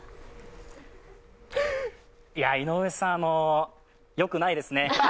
いや、井上さん、よくないですね。